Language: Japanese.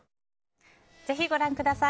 ぜひご覧ください。